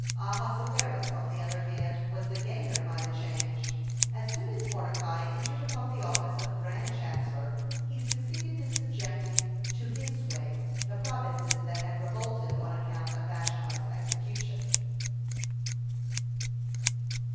(190) Ahasuerus, on the other hand, was the gainer by the change. As soon as Mordecai entered upon the office of grand chancellor, he succeeded in subjecting to his sway the provinces that had revolted on account of Vashti's execution.